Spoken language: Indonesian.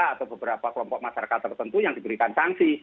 atau beberapa kelompok masyarakat tertentu yang diberikan sanksi